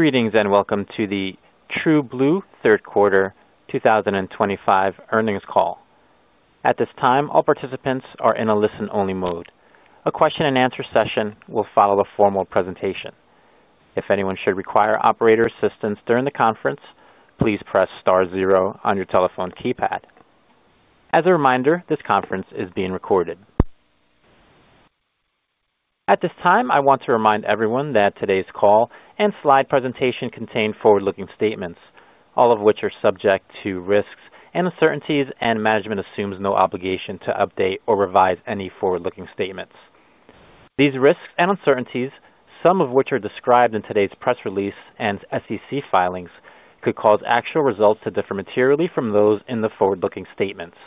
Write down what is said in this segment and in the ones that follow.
Greetings and welcome to the TrueBlue Third Quarter 2025 Earnings Call. At this time, all participants are in a listen-only mode. A question-and-answer session will follow a formal presentation. If anyone should require operator assistance during the conference, please press star zero on your telephone keypad. As a reminder, this conference is being recorded. At this time, I want to remind everyone that today's call and slide presentation contain forward-looking statements, all of which are subject to risks and uncertainties, and management assumes no obligation to update or revise any forward-looking statements. These risks and uncertainties, some of which are described in today's press release and SEC filings, could cause actual results to differ materially from those in the forward-looking statements.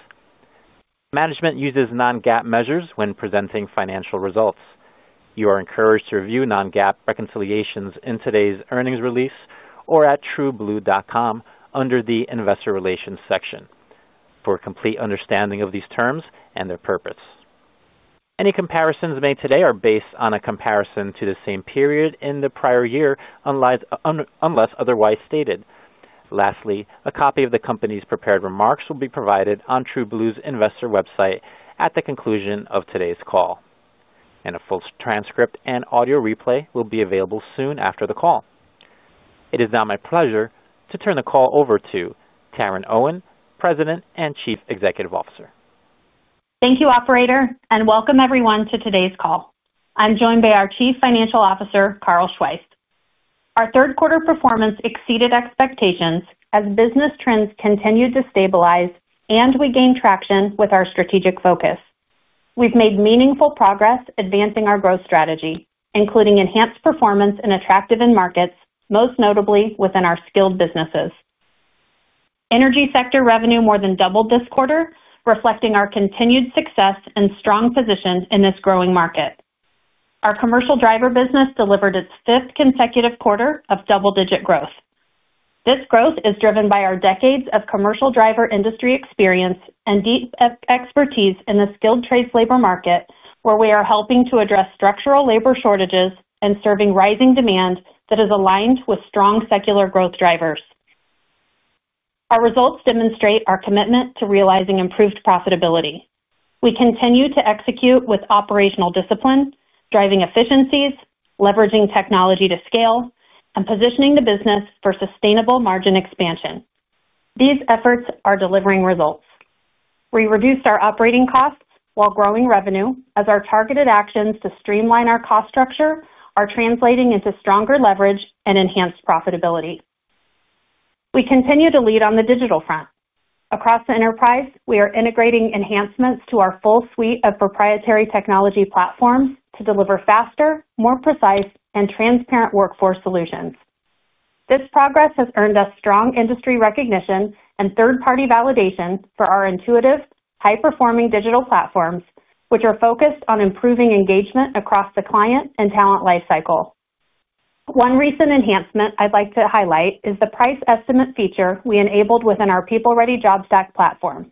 Management uses non-GAAP measures when presenting financial results. You are encouraged to review non-GAAP reconciliations in today's earnings release or at trueblue.com under the investor relations section for a complete understanding of these terms and their purpose. Any comparisons made today are based on a comparison to the same period in the prior year unless otherwise stated. Lastly, a copy of the company's prepared remarks will be provided on TrueBlue's investor website at the conclusion of today's call. A full transcript and audio replay will be available soon after the call. It is now my pleasure to turn the call over to Taryn Owen, President and Chief Executive Officer. Thank you, Operator, and welcome everyone to today's call. I'm joined by our Chief Financial Officer, Carl Schweihs. Our third-quarter performance exceeded expectations as business trends continued to stabilize, and we gained traction with our strategic focus. We've made meaningful progress advancing our growth strategy, including enhanced performance and attractive in markets, most notably within our skilled businesses. Energy sector revenue more than doubled this quarter, reflecting our continued success and strong position in this growing market. Our commercial driver business delivered its fifth consecutive quarter of double-digit growth. This growth is driven by our decades of commercial driver industry experience and deep expertise in the skilled trades labor market, where we are helping to address structural labor shortages and serving rising demand that is aligned with strong secular growth drivers. Our results demonstrate our commitment to realizing improved profitability. We continue to execute with operational discipline, driving efficiencies, leveraging technology to scale, and positioning the business for sustainable margin expansion. These efforts are delivering results. We reduced our operating costs while growing revenue as our targeted actions to streamline our cost structure are translating into stronger leverage and enhanced profitability. We continue to lead on the digital front. Across the enterprise, we are integrating enhancements to our full suite of proprietary technology platforms to deliver faster, more precise, and transparent workforce solutions. This progress has earned us strong industry recognition and third-party validation for our intuitive, high-performing digital platforms, which are focused on improving engagement across the client and talent lifecycle. One recent enhancement I'd like to highlight is the price estimate feature we enabled within our PeopleReady JobStack platform.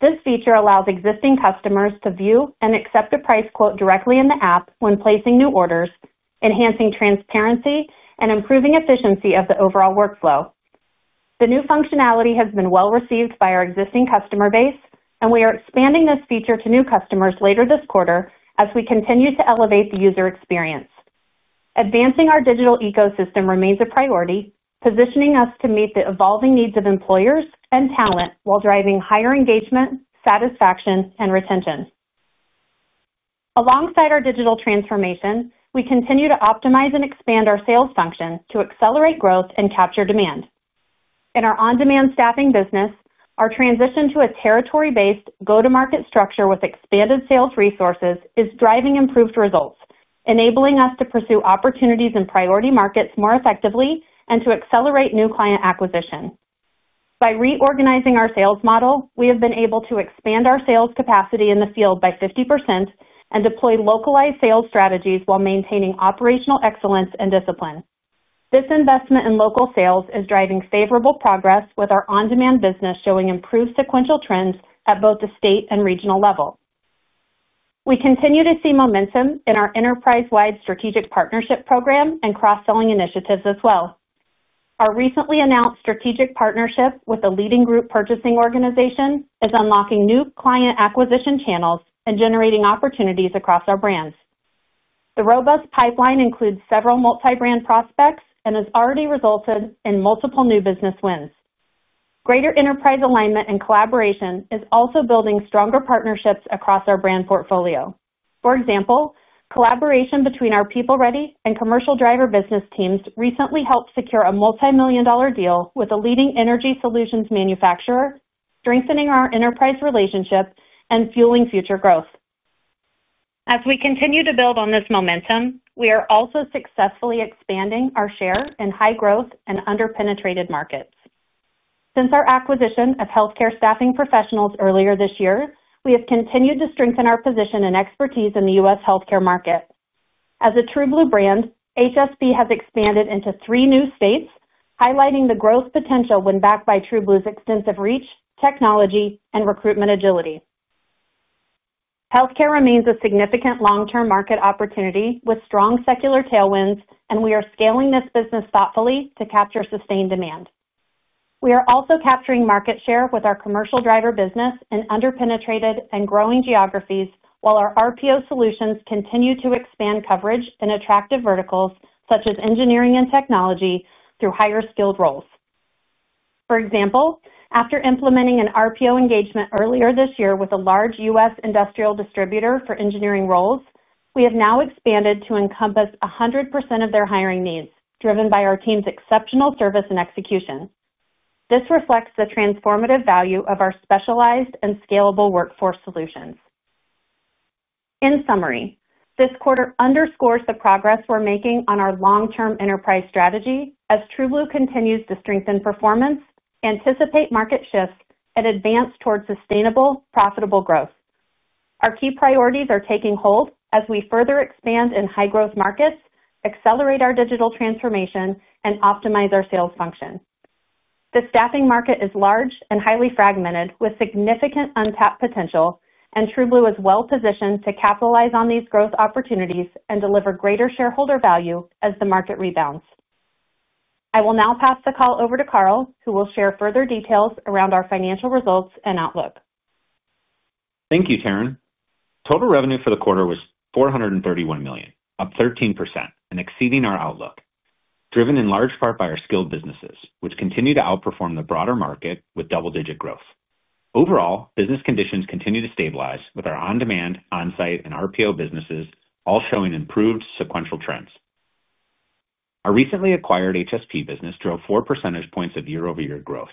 This feature allows existing customers to view and accept a price quote directly in the app when placing new orders, enhancing transparency and improving efficiency of the overall workflow. The new functionality has been well received by our existing customer base, and we are expanding this feature to new customers later this quarter as we continue to elevate the user experience. Advancing our digital ecosystem remains a priority, positioning us to meet the evolving needs of employers and talent while driving higher engagement, satisfaction, and retention. Alongside our digital transformation, we continue to optimize and expand our sales function to accelerate growth and capture demand. In our on-demand staffing business, our transition to a territory-based go-to-market structure with expanded sales resources is driving improved results, enabling us to pursue opportunities in priority markets more effectively and to accelerate new client acquisition. By reorganizing our sales model, we have been able to expand our sales capacity in the field by 50% and deploy localized sales strategies while maintaining operational excellence and discipline. This investment in local sales is driving favorable progress, with our on-demand business showing improved sequential trends at both the state and regional level. We continue to see momentum in our enterprise-wide strategic partnership program and cross-selling initiatives as well. Our recently announced strategic partnership with a leading group purchasing organization is unlocking new client acquisition channels and generating opportunities across our brands. The robust pipeline includes several multi-brand prospects and has already resulted in multiple new business wins. Greater enterprise alignment and collaboration is also building stronger partnerships across our brand portfolio. For example, collaboration between our PeopleReady and commercial driver business teams recently helped secure a multi-million dollar deal with a leading energy solutions manufacturer, strengthening our enterprise relationship and fueling future growth. As we continue to build on this momentum, we are also successfully expanding our share in high-growth and under-penetrated markets. Since our acquisition of Healthcare Staffing Professionals earlier this year, we have continued to strengthen our position and expertise in the U.S. healthcare market. As a TrueBlue brand, HSP has expanded into three new states, highlighting the growth potential win backed by TrueBlue's extensive reach, technology, and recruitment agility. Healthcare remains a significant long-term market opportunity with strong secular tailwinds, and we are scaling this business thoughtfully to capture sustained demand. We are also capturing market share with our commercial driver business in under-penetrated and growing geographies, while our RPO solutions continue to expand coverage in attractive verticals such as engineering and technology through higher skilled roles. For example, after implementing an RPO engagement earlier this year with a large U.S. industrial distributor for engineering roles, we have now expanded to encompass 100% of their hiring needs, driven by our team's exceptional service and execution. This reflects the transformative value of our specialized and scalable workforce solutions. In summary, this quarter underscores the progress we're making on our long-term enterprise strategy as TrueBlue continues to strengthen performance, anticipate market shifts, and advance toward sustainable, profitable growth. Our key priorities are taking hold as we further expand in high-growth markets, accelerate our digital transformation, and optimize our sales function. The staffing market is large and highly fragmented, with significant untapped potential, and TrueBlue is well-positioned to capitalize on these growth opportunities and deliver greater shareholder value as the market rebounds. I will now pass the call over to Carl, who will share further details around our financial results and outlook. Thank you, Taryn. Total revenue for the quarter was $431 million, up 13% and exceeding our outlook, driven in large part by our skilled businesses, which continue to outperform the broader market with double-digit growth. Overall, business conditions continue to stabilize with our on-demand, on-site, and RPO businesses all showing improved sequential trends. Our recently acquired HSP business drove 4 percentage points of year-over-year growth,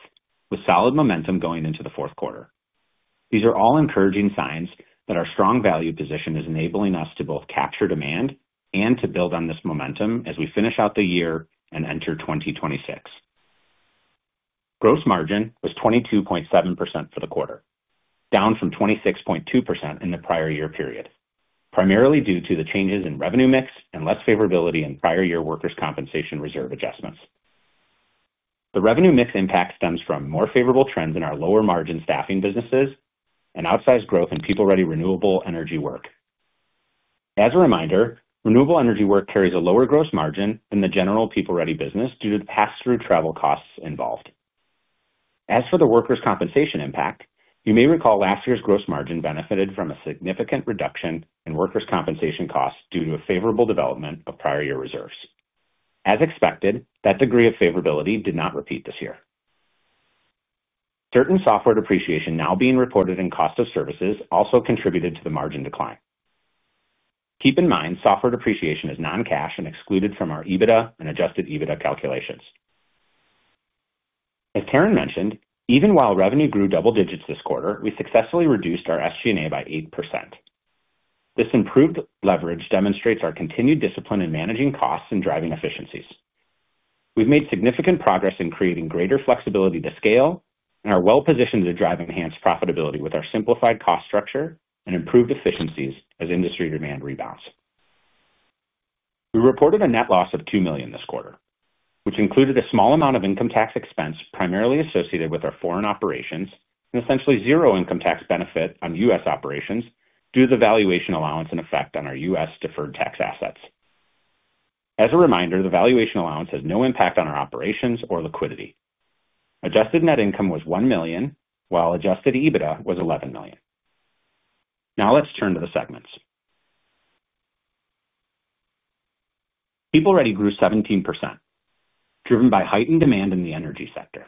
with solid momentum going into the fourth quarter. These are all encouraging signs that our strong value position is enabling us to both capture demand and to build on this momentum as we finish out the year and enter 2026. Gross margin was 22.7% for the quarter, down from 26.2% in the prior year period, primarily due to the changes in revenue mix and less favorability in prior-year workers' compensation reserve adjustments. The revenue mix impact stems from more favorable trends in our lower-margin staffing businesses and outsized growth in PeopleReady renewable energy work. As a reminder, renewable energy work carries a lower gross margin than the general PeopleReady business due to the pass-through travel costs involved. As for the workers' compensation impact, you may recall last year's gross margin benefited from a significant reduction in workers' compensation costs due to a favorable development of prior-year reserves. As expected, that degree of favorability did not repeat this year. Certain software depreciation now being reported in cost of services also contributed to the margin decline. Keep in mind, software depreciation is non-cash and excluded from our EBITDA and adjusted EBITDA calculations. As Taryn mentioned, even while revenue grew double digits this quarter, we successfully reduced our SG&A by 8%. This improved leverage demonstrates our continued discipline in managing costs and driving efficiencies. We've made significant progress in creating greater flexibility to scale and are well-positioned to drive enhanced profitability with our simplified cost structure and improved efficiencies as industry demand rebounds. We reported a net loss of $2 million this quarter, which included a small amount of income tax expense primarily associated with our foreign operations and essentially zero income tax benefit on U.S. operations due to the valuation allowance in effect on our U.S. deferred tax assets. As a reminder, the valuation allowance has no impact on our operations or liquidity. Adjusted net income was $1 million, while adjusted EBITDA was $11 million. Now let's turn to the segments. PeopleReady grew 17%. Driven by heightened demand in the energy sector,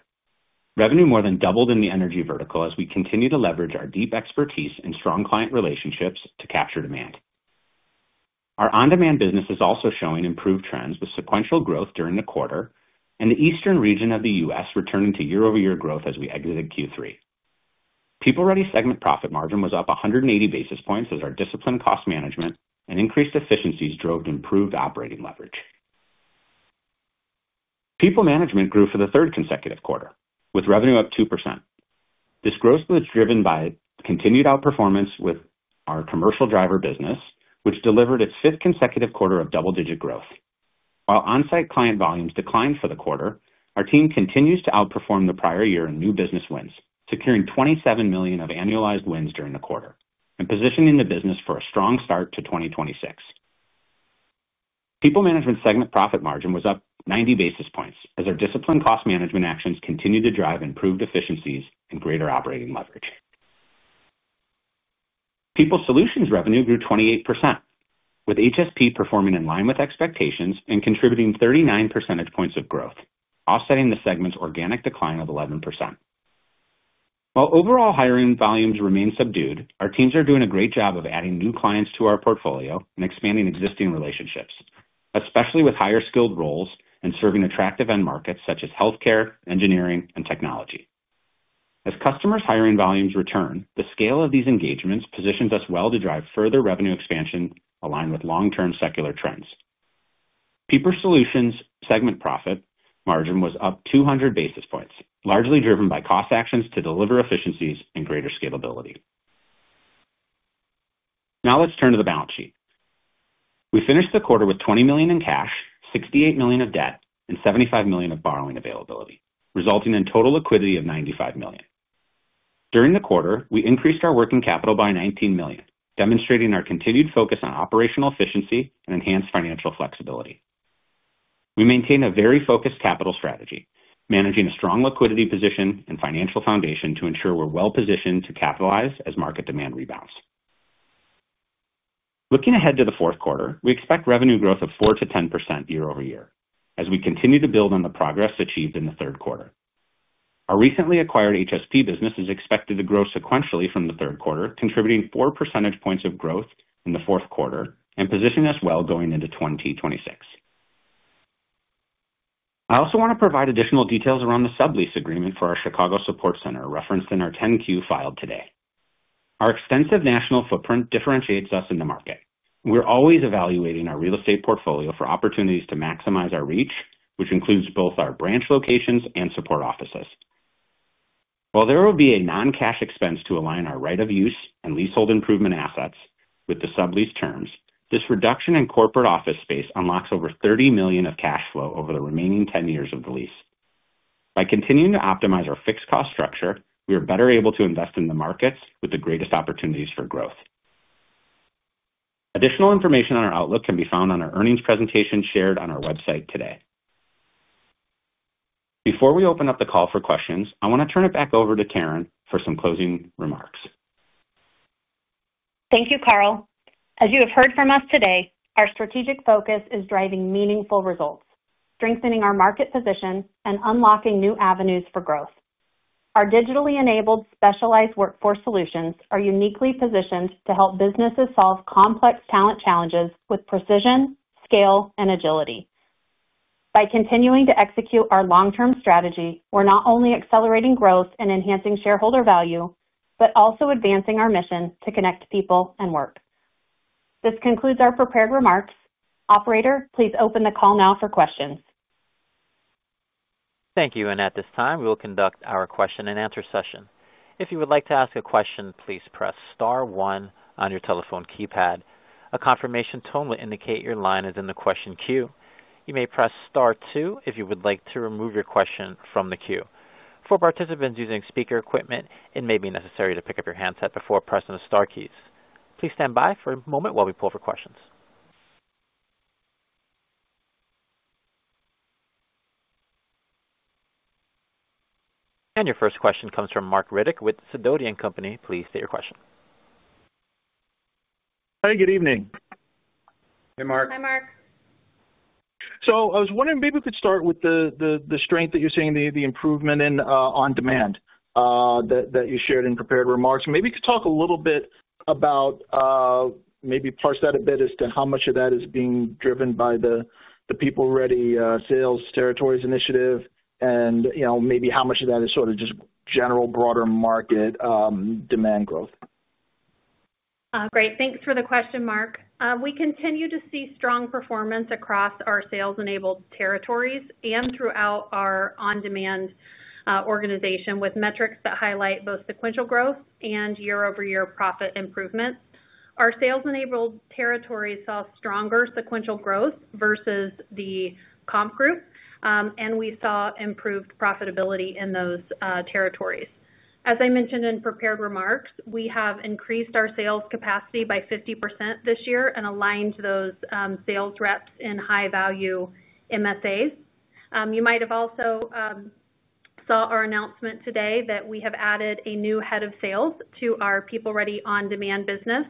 revenue more than doubled in the energy vertical as we continue to leverage our deep expertise and strong client relationships to capture demand. Our on-demand business is also showing improved trends with sequential growth during the quarter and the eastern region of the U.S. returning to year-over-year growth as we exited Q3. PeopleReady segment profit margin was up 180 basis points as our discipline cost management and increased efficiencies drove improved operating leverage. PeopleManagement grew for the third consecutive quarter, with revenue up 2%. This growth was driven by continued outperformance with our commercial driver business, which delivered its fifth consecutive quarter of double-digit growth. While on-site client volumes declined for the quarter, our team continues to outperform the prior year in new business wins, securing $27 million of annualized wins during the quarter and positioning the business for a strong start to 2026. PeopleManagement segment profit margin was up 90 basis points as our disciplined cost management actions continued to drive improved efficiencies and greater operating leverage. PeopleSolutions revenue grew 28%, with HSP performing in line with expectations and contributing 39 percentage points of growth, offsetting the segment's organic decline of 11%. While overall hiring volumes remain subdued, our teams are doing a great job of adding new clients to our portfolio and expanding existing relationships, especially with higher skilled roles and serving attractive end markets such as healthcare, engineering, and technology. As customers' hiring volumes return, the scale of these engagements positions us well to drive further revenue expansion aligned with long-term secular trends. PeopleSolutions segment profit margin was up 200 basis points, largely driven by cost actions to deliver efficiencies and greater scalability. Now let's turn to the balance sheet. We finished the quarter with $20 million in cash, $68 million of debt, and $75 million of borrowing availability, resulting in total liquidity of $95 million. During the quarter, we increased our working capital by $19 million, demonstrating our continued focus on operational efficiency and enhanced financial flexibility. We maintain a very focused capital strategy, managing a strong liquidity position and financial foundation to ensure we're well-positioned to capitalize as market demand rebounds. Looking ahead to the fourth quarter, we expect revenue growth of 4%-10% year-over-year as we continue to build on the progress achieved in the third quarter. Our recently acquired HSP business is expected to grow sequentially from the third quarter, contributing 4 percentage points of growth in the fourth quarter and positioning us well going into 2026. I also want to provide additional details around the sublease agreement for our Chicago support center referenced in our 10-Q file today. Our extensive national footprint differentiates us in the market. We're always evaluating our real estate portfolio for opportunities to maximize our reach, which includes both our branch locations and support offices. While there will be a non-cash expense to align our right of use and leasehold improvement assets with the sublease terms, this reduction in corporate office space unlocks over $30 million of cash flow over the remaining 10 years of the lease. By continuing to optimize our fixed cost structure, we are better able to invest in the markets with the greatest opportunities for growth. Additional information on our outlook can be found on our earnings presentation shared on our website today. Before we open up the call for questions, I want to turn it back over to Taryn for some closing remarks. Thank you, Carl. As you have heard from us today, our strategic focus is driving meaningful results, strengthening our market position, and unlocking new avenues for growth. Our digitally-enabled specialized workforce solutions are uniquely positioned to help businesses solve complex talent challenges with precision, scale, and agility. By continuing to execute our long-term strategy, we're not only accelerating growth and enhancing shareholder value, but also advancing our mission to connect people and work. This concludes our prepared remarks. Operator, please open the call now for questions. Thank you. At this time, we will conduct our question-and-answer session. If you would like to ask a question, please press Star 1 on your telephone keypad. A confirmation tone will indicate your line is in the question queue. You may press Star 2 if you would like to remove your question from the queue. For participants using speaker equipment, it may be necessary to pick up your handset before pressing the Star keys. Please stand by for a moment while we pull for questions. Your first question comes from Marc Riddick with Sidoti & Company. Please state your question. Hi. Good evening. Hey, Marc. Hi, Marc. I was wondering maybe we could start with the strength that you're seeing, the improvement in on-demand that you shared in prepared remarks. Maybe you could talk a little bit about, maybe parse that a bit as to how much of that is being driven by the PeopleReady sales territories initiative and maybe how much of that is sort of just general broader market demand growth. Great. Thanks for the question, Marc. We continue to see strong performance across our sales-enabled territories and throughout our on-demand organization with metrics that highlight both sequential growth and year-over-year profit improvement. Our sales-enabled territories saw stronger sequential growth versus the comp group, and we saw improved profitability in those territories. As I mentioned in prepared remarks, we have increased our sales capacity by 50% this year and aligned those sales reps in high-value MSAs. You might have also seen our announcement today that we have added a new head of sales to our PeopleReady on-demand business.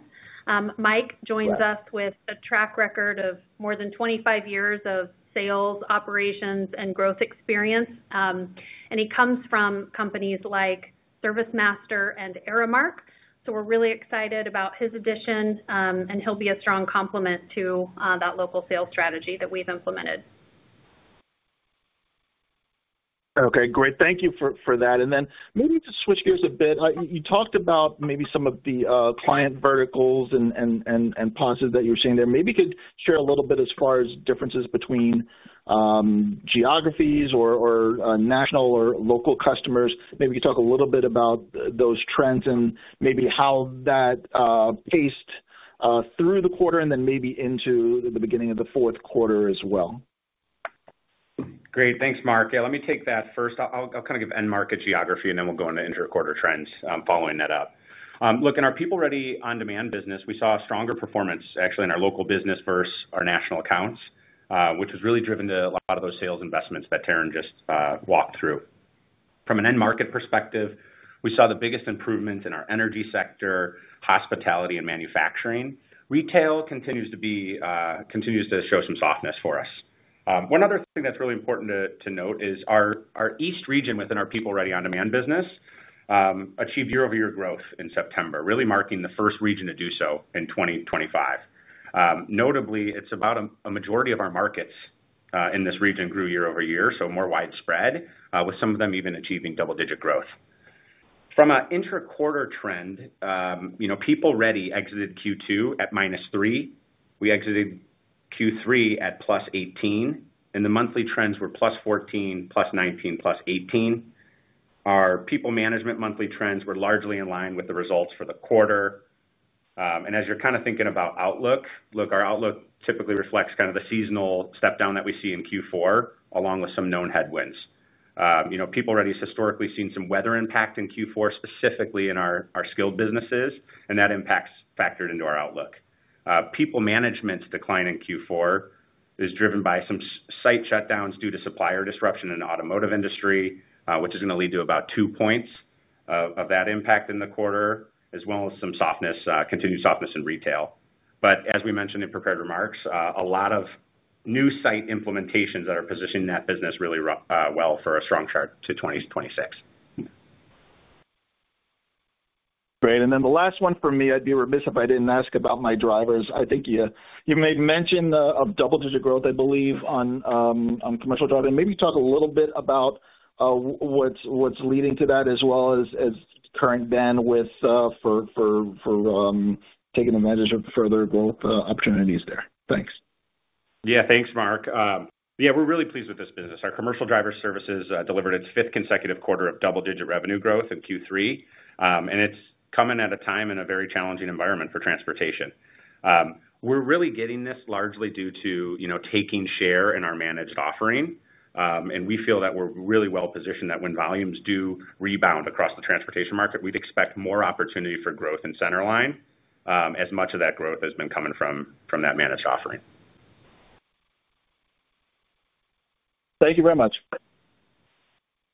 Mike joins us with a track record of more than 25 years of sales operations and growth experience. He comes from companies like ServiceMaster and Aramark. We are really excited about his addition, and he will be a strong complement to that local sales strategy that we have implemented. Okay. Great. Thank you for that. Maybe to switch gears a bit, you talked about maybe some of the client verticals and positives that you're seeing there. Maybe you could share a little bit as far as differences between geographies or national or local customers. Maybe you could talk a little bit about those trends and maybe how that paced through the quarter and then maybe into the beginning of the fourth quarter as well. Great. Thanks, Marc. Yeah, let me take that first. I'll kind of give Marc a geography, and then we'll go into intra-quarter trends following that up. Look, in our PeopleReady on-demand business, we saw a stronger performance actually in our local business versus our national accounts, which was really driven to a lot of those sales investments that Taryn just walked through. From a Marc perspective, we saw the biggest improvements in our energy sector, hospitality, and manufacturing. Retail continues to show some softness for us. One other thing that's really important to note is our East region within our PeopleReady on-demand business achieved year-over-year growth in September, really marking the first region to do so in 2025. Notably, about a majority of our markets in this region grew year-over-year, so more widespread, with some of them even achieving double-digit growth. From an intra-quarter trend, PeopleReady exited Q2 at -3. We exited Q3 at +18. And the monthly trends were +14, +19, +18. Our PeopleManagement monthly trends were largely in line with the results for the quarter. As you're kind of thinking about outlook, look, our outlook typically reflects kind of the seasonal step-down that we see in Q4, along with some known headwinds. PeopleReady has historically seen some weather impact in Q4, specifically in our skilled businesses, and that impact's factored into our outlook. PeopleManagement's decline in Q4 is driven by some site shutdowns due to supplier disruption in the automotive industry, which is going to lead to about two points of that impact in the quarter, as well as some continued softness in retail. As we mentioned in prepared remarks, a lot of new site implementations are positioning that business really well for a strong start to 2026. Great. And then the last one for me, I'd be remiss if I didn't ask about my drivers. I think you made mention of double-digit growth, I believe, on commercial drive. And maybe talk a little bit about what's leading to that, as well as current bandwidth for taking advantage of further growth opportunities there. Thanks. Yeah, thanks, Marc. Yeah, we're really pleased with this business. Our commercial driver services delivered its fifth consecutive quarter of double-digit revenue growth in Q3. It is coming at a time in a very challenging environment for transportation. We're really getting this largely due to taking share in our managed offering. We feel that we're really well-positioned that when volumes do rebound across the transportation market, we'd expect more opportunity for growth in Centerline, as much of that growth has been coming from that managed offering. Thank you very much.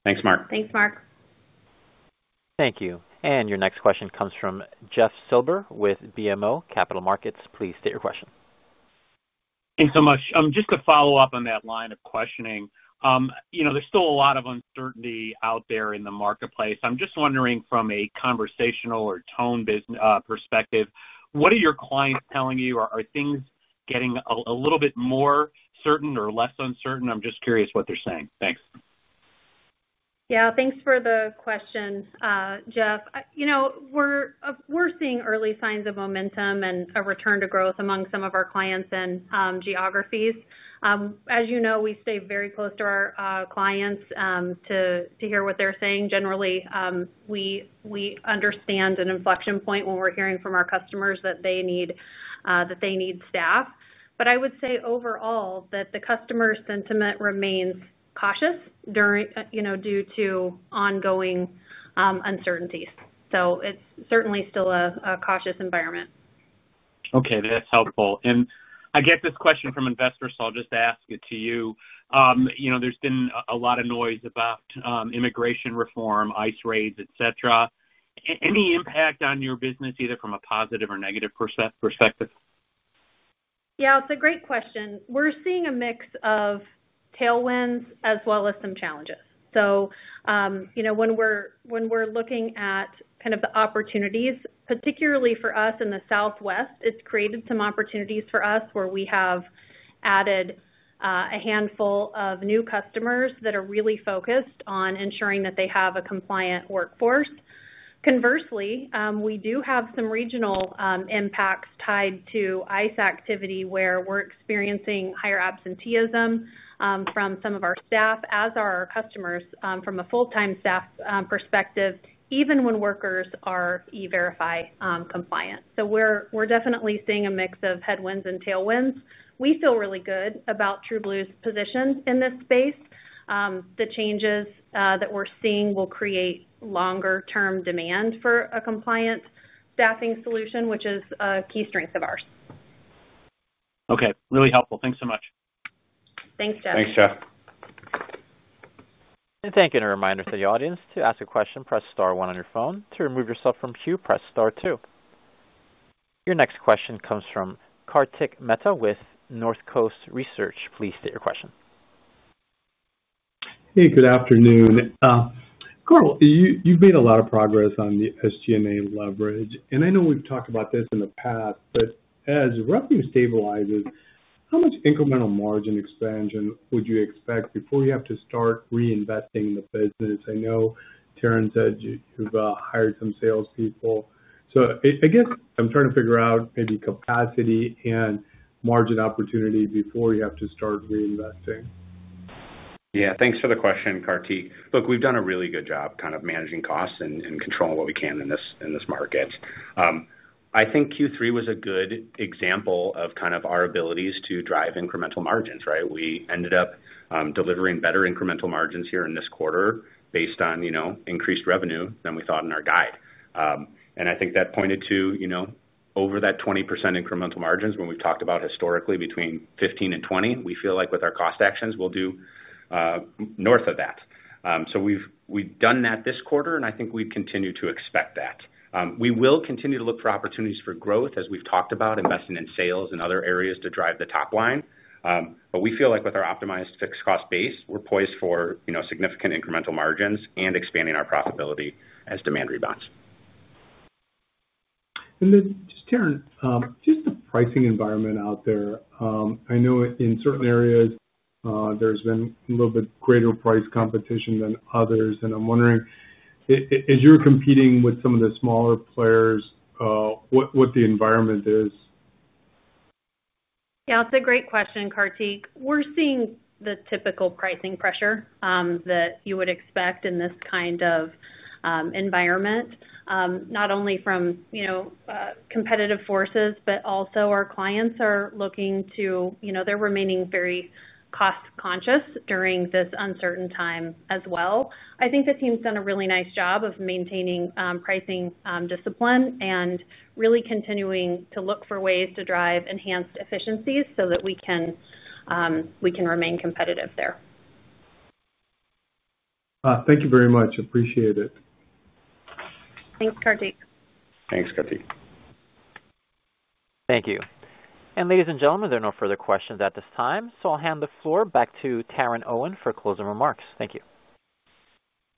Thanks, Marc. Thanks, Marc. Thank you. Your next question comes from Jeff Silber with BMO Capital Markets. Please state your question. Thanks so much. Just to follow up on that line of questioning, there's still a lot of uncertainty out there in the marketplace. I'm just wondering, from a conversational or tone perspective, what are your clients telling you? Are things getting a little bit more certain or less uncertain? I'm just curious what they're saying. Thanks. Yeah, thanks for the question, Jeff. We're seeing early signs of momentum and a return to growth among some of our clients and geographies. As you know, we stay very close to our clients to hear what they're saying. Generally, we understand an inflection point when we're hearing from our customers that they need staff. I would say overall that the customer sentiment remains cautious due to ongoing uncertainties. It is certainly still a cautious environment. Okay. That's helpful. I get this question from investors, so I'll just ask it to you. There's been a lot of noise about immigration reform, ICE raids, etc. Any impact on your business, either from a positive or negative perspective? Yeah, it's a great question. We're seeing a mix of tailwinds as well as some challenges. When we're looking at kind of the opportunities, particularly for us in the Southwest, it's created some opportunities for us where we have added a handful of new customers that are really focused on ensuring that they have a compliant workforce. Conversely, we do have some regional impacts tied to ICE activity where we're experiencing higher absenteeism from some of our staff as our customers from a full-time staff perspective, even when workers are eVerify compliant. We're definitely seeing a mix of headwinds and tailwinds. We feel really good about TrueBlue's position in this space. The changes that we're seeing will create longer-term demand for a compliant staffing solution, which is a key strength of ours. Okay. Really helpful. Thanks so much. Thanks, Jeff. Thanks, Jeff. Thank you. A reminder to the audience: to ask a question, press star one on your phone. To remove yourself from queue, press star two. Your next question comes from Kartik Mehta with Northcoast Research. Please state your question. Hey, good afternoon. Carl, you've made a lot of progress on the SG&A leverage. I know we've talked about this in the past, but as revenue stabilizes, how much incremental margin expansion would you expect before you have to start reinvesting in the business? I know Taryn said you've hired some salespeople. I guess I'm trying to figure out maybe capacity and margin opportunity before you have to start reinvesting. Yeah. Thanks for the question, Karthik. Look, we've done a really good job kind of managing costs and controlling what we can in this market. I think Q3 was a good example of kind of our abilities to drive incremental margins, right? We ended up delivering better incremental margins here in this quarter based on increased revenue than we thought in our guide. I think that pointed to over that 20% incremental margins when we've talked about historically between 15%-20%. We feel like with our cost actions, we'll do north of that. We've done that this quarter, and I think we continue to expect that. We will continue to look for opportunities for growth, as we've talked about, investing in sales and other areas to drive the top line. We feel like with our optimized fixed cost base, we're poised for significant incremental margins and expanding our profitability as demand rebounds. Taryn, just the pricing environment out there. I know in certain areas, there's been a little bit greater price competition than others. I'm wondering, as you're competing with some of the smaller players, what the environment is? Yeah, that's a great question, Karthik. We're seeing the typical pricing pressure that you would expect in this kind of environment. Not only from competitive forces, but also our clients are looking to—they're remaining very cost-conscious during this uncertain time as well. I think the team's done a really nice job of maintaining pricing discipline and really continuing to look for ways to drive enhanced efficiencies so that we can remain competitive there. Thank you very much. Appreciate it. Thanks, Karthik. Thanks, Karthik. Thank you. Ladies and gentlemen, there are no further questions at this time. I'll hand the floor back to Taryn Owen for closing remarks. Thank you.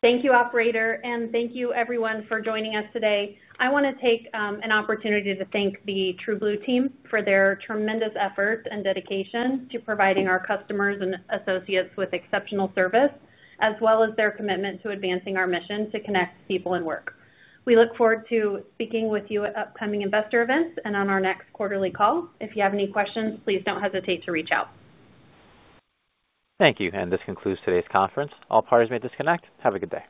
Thank you, operator. Thank you, everyone, for joining us today. I want to take an opportunity to thank the TrueBlue team for their tremendous effort and dedication to providing our customers and associates with exceptional service, as well as their commitment to advancing our mission to connect people and work. We look forward to speaking with you at upcoming investor events and on our next quarterly call. If you have any questions, please do not hesitate to reach out. Thank you. And this concludes today's conference. All parties may disconnect. Have a good day.